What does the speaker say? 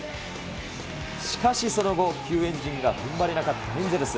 しかしその後、救援陣がふんばれなかったエンゼルス。